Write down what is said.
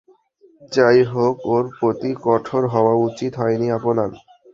যাই হোক, ওর প্রতি কঠোর হওয়া উচিত হয়নি আপনার।